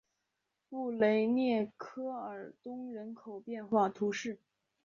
布雷涅科尔东人口变化图示